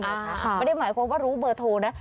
ไม่ได้หมายความว่ารู้เบอร์โทรนะ